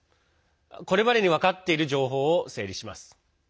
これまでに分かっている情報を整理します。